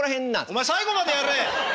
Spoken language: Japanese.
お前最後までやれ！